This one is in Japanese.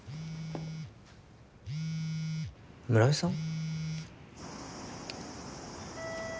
村井さん？